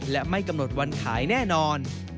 และไม่กำหนดวันขายแน่นอน